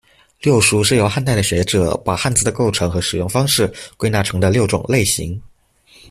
六书是由汉代的学者把汉字的构成和使用方式归纳成的六种类型。